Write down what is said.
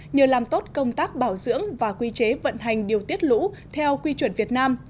nhờ làm tốt công tác bảo dưỡng và quy chế vận hành điều tiết lũ theo quy chuẩn việt nam